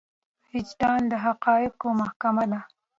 وجدان د حقايقو محکمه ده.